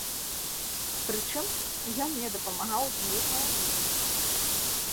Прычым, ён мне дапамагаў з вымаўленнем.